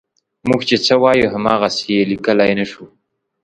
موږ چې څه وایو هماغسې یې لیکلی نه شو.